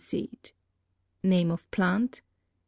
Name of Plant.